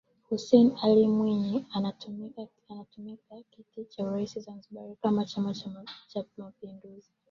Hussein Ali Mwinyi anatumikia kiti cha Urais wa Zanzibar kwa chama cha mapinduzi